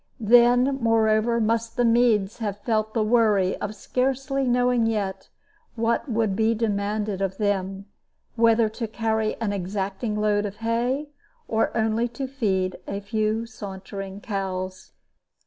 Then, moreover, must the meads have felt the worry of scarcely knowing yet what would be demanded of them; whether to carry an exacting load of hay, or only to feed a few sauntering cows.